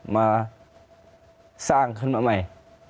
มาสร้างขึ้นมาใหม่